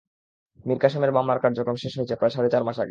মীর কাসেমের মামলার কার্যক্রম শেষ হয়েছে প্রায় সাড়ে চার মাস আগে।